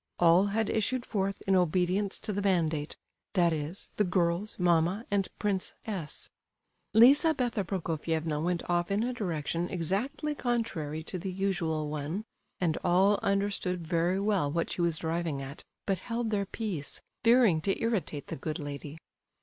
All had issued forth in obedience to the mandate; that is, the girls, mamma, and Prince S. Lizabetha Prokofievna went off in a direction exactly contrary to the usual one, and all understood very well what she was driving at, but held their peace, fearing to irritate the good lady.